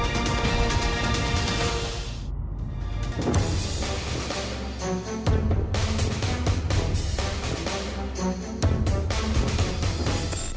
โปรดติดตามตอนต่อไป